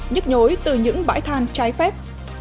nhất nhối từ những bãi than trái phép